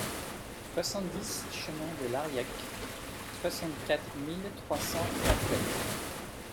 soixante-dix chemin de l'Arriec, soixante-quatre mille trois cents Orthez